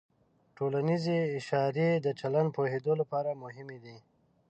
ټولنیز اشارې د چلند پوهېدو لپاره مهمې دي.